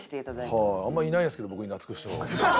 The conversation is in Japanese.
あんまりいないんですけど僕に懐く人。